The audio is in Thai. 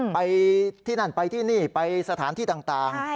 ไปที่นั่นไปที่นี่ไปสถานที่ต่าง